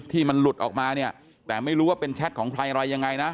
ที่มันหลุดออกมาเนี่ยแต่ไม่รู้ว่าเป็นแชทของใครอะไรยังไงนะ